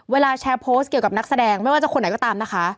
เวลาแชร์โพสต์เกี่ยวกับนักแสดงไม่ว่าจะคนไหนก็ตามนะคะ